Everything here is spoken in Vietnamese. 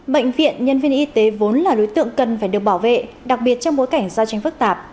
bệnh viện nhân viên y tế vốn là đối tượng cần phải được bảo vệ đặc biệt trong bối cảnh giao tranh phức tạp